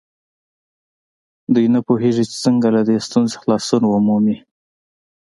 دوی نه پوهېږي چې څنګه له دې ستونزې خلاصون ومومي.